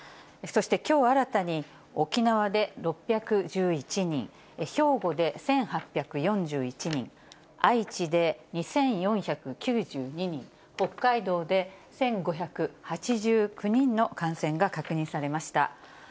そしてきょう新たに、沖縄で６１１人、兵庫で１８４１人、愛知で２４９２人、北海道で１５８９人の感染が確認されました。